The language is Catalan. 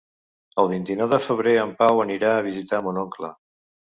El vint-i-nou de febrer en Pau anirà a visitar mon oncle.